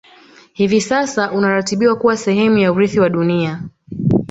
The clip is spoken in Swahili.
Hivi sasa unaratibiwa kuwa sehemu ya Urithi wa dunia